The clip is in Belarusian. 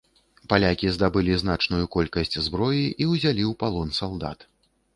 Палякі здабылі значную колькасць зброі і ўзялі ў палон салдат.